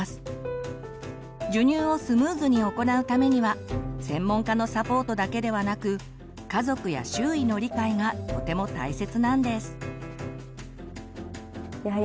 授乳をスムーズに行うためには専門家のサポートだけではなく家族や周囲の理解がとても大切なんです。